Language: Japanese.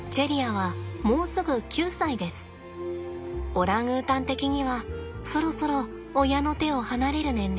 オランウータン的にはそろそろ親の手を離れる年齢です。